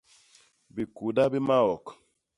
Bikuda bi maok.